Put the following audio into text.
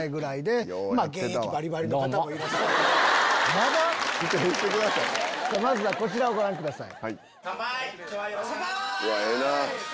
まだ⁉まずはこちらをご覧ください。